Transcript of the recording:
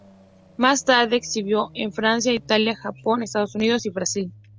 Más tarde exhibió en Francia, Italia, Japón, Estados Unidos y Brasil.